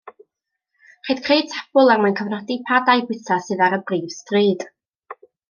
Rhaid creu tabl er mwyn cofnodi pa dai bwyta sydd ar y brif stryd